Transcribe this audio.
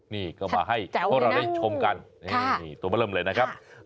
นี่ก็มาให้พวกเราได้ชมกันตัวมาเริ่มเลยนะครับฮัตเจ้าไว้นั่ง